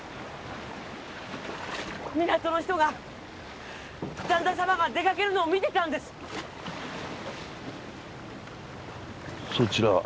港の人が旦那さまが出かけるのを見てたんですそちらは？